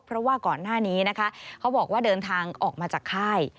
เพราะว่าก่อนหน้านี้นะคะเขาบอกว่าเดินทางออกมาจากค่าย